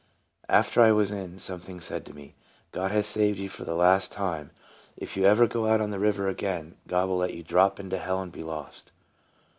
After I was in, something said to me, " God has saved you for the last time. If you ever go out on the river again, God will let you drop into hell and be lost."